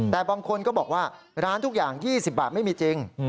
แต่บางคนก็บอกว่าร้านทุกอย่าง๒๐บาทไม่มีจริง